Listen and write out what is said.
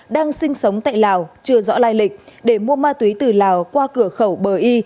đang sinh sống tại lào chưa rõ lai lịch để mua ma túy từ lào qua cửa khẩu bờ y